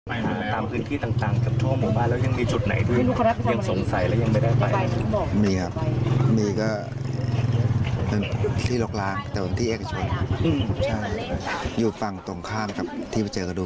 อันนี้ที่เจอกระดูกแมวเนี้ยหาแล้วตามพื้นที่ต่างต่างกับทั่วหมู่บ้าน